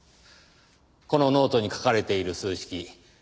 このノートに書かれている数式